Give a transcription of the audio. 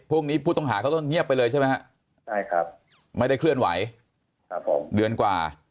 พวกนี้ผู้ต้องหาเขาต้องเงียบไปเลยใช่มั้ยครับไม่ได้เคลื่อนไหว